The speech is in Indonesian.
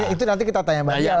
itu nanti kita tanya pak rial